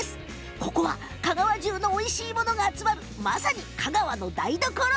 ここは香川中のおいしいものが集まるまさに台所。